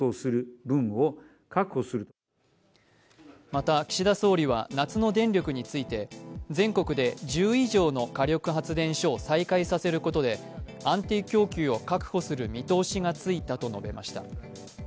また、岸田総理は夏の電力について、全国で１０以上の火力発電所を再開させることで安定供給を確保する見通しがついたと述べました。